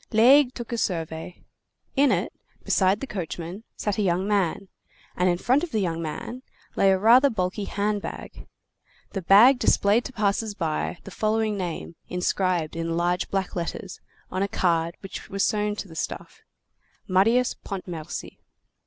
Laigle took a survey. In it, beside the coachman, sat a young man, and in front of the young man lay a rather bulky hand bag. The bag displayed to passers by the following name inscribed in large black letters on a card which was sewn to the stuff: MARIUS PONTMERCY.